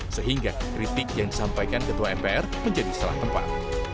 sehingga kritik yang disampaikan ketua mpr menjadi salah tepat